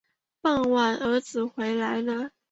傍晚儿子回来了